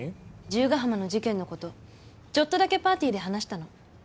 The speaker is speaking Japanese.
十ヶ浜の事件のことちょっとだけパーティーで話したの。